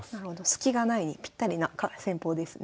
スキがないにぴったりな戦法ですね。